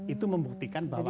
itu membuktikan bahwa